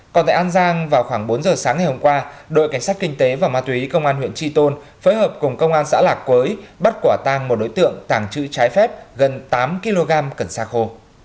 còn tại an giang vào khoảng bốn giờ sáng ngày hôm qua đội cảnh sát kinh tế và ma túy công an huyện tri tôn phối hợp cùng công an xã lạc quới bắt quả tang một đối tượng tàng trữ trái phép gần tám kg cần xa khô